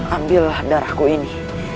ambillah darahku ini